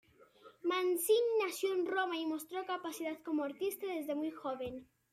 Mancini nació en Roma y mostró capacidad como artista desde muy joven.